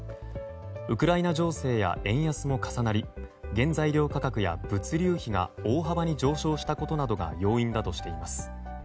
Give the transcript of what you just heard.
ウクライナ情勢や円安も重なり原材料価格や物流費が大幅に上昇したことが要因だとしています。